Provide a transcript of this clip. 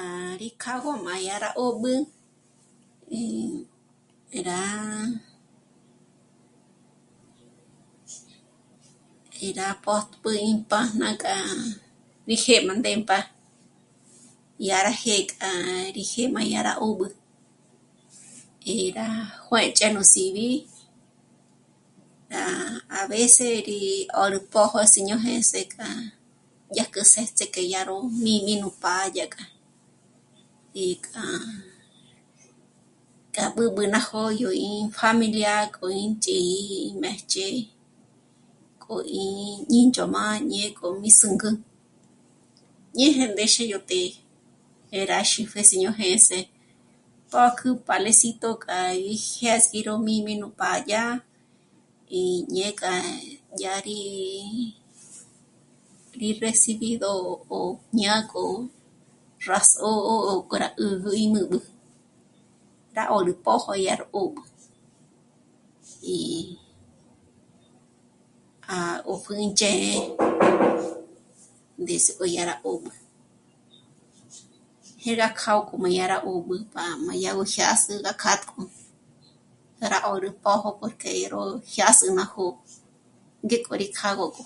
A... rí kjâ'agö má yá rá 'ób'ü í rá, í rá pö́tp'üji pájnak'a rí xë́'ë má ndémp'a yá rá jé'kja rí jé' má yá rá 'óbü ngé rá juë̌ch'e nú sibi, rá a veces rí 'órü pójo Síño Jêns'e k'a dyák'o sjéts'e k'e dyà ró mí'm'i nú pá'a dyák'a. Í k'a, k'a b'ǚb'ü ná jó'o yó ím pjámilia k'o ín chí'i í méjch'e, k'o 'í í ndzhóm'a ñé k'o mí zǘnk'ü ñeje ndéxe yó të́'ë, rá sípje Siño Jêns'e. Pö̌k'ü Palesito k'a í jésgi ró míjme nú pá'a dyá, í ñe k'a yá rí, rí recibido o ñák'o rá só'o k'o rá 'ä̀jä í nä̀b'ä. Rá 'órü pójo yá rá 'ókü, í'i á... o pjǘndzhé'e ndízik'o yá rá 'óbü, jé rá k'â'a k'o má yá rá 'óbü b'á má yá gó jyâs'ü gá k'átk'o, rá 'órü pójo porque ró jyâsü ná jó'o ngék'o rí kjâ'agö k'o